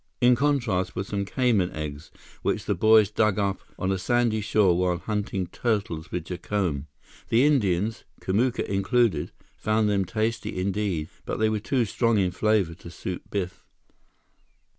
In contrast were some cayman eggs, which the boys dug up on a sandy shore while hunting turtles with Jacome. The Indians, Kamuka included, found them tasty indeed, but they were too strong in flavor to suit Biff.